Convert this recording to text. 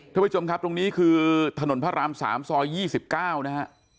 ท่านผู้ชมครับตรงนี้คือถนนพระราม๓ซอย๒๙นะฮะ